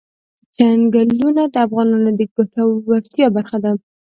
چنګلونه د افغانانو د ګټورتیا برخه ده.